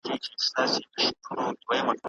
ما چاته د کورنيو چارو شکایت نه دی کړی.